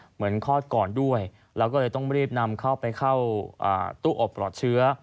คลอดก่อนด้วยแล้วก็เลยต้องรีบนำเข้าไปเข้าตู้อบปลอดเชื้อ